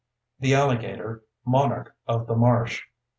_The Alligator: Monarch of the Marsh.